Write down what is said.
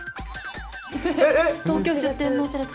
東京出店のお知らせ。